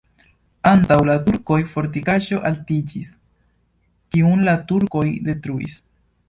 Antaŭ la turkoj fortikaĵo altiĝis, kiun la turkoj detruis.